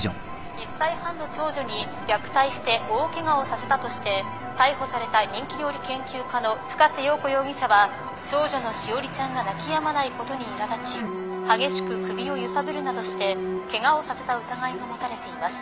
１歳半の長女に虐待して大ケガをさせたとして逮捕された人気料理研究家の深瀬瑤子容疑者は長女の詩織ちゃんが泣きやまないことにいらだち激しく首を揺さぶるなどしてケガをさせた疑いが持たれています。